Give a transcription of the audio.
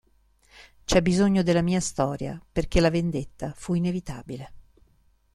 C'è bisogno della mia storia, perché la vendetta fu inevitabile.